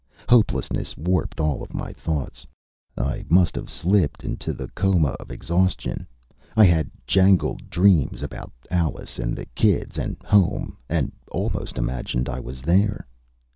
Hopelessness warped all of my thoughts. I must have slipped into the coma of exhaustion. I had jangled dreams about Alice and the kids and home, and almost imagined I was there.